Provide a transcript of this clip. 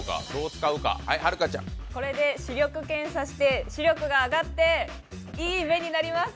これで視力検査して視力が上がっていい目になります。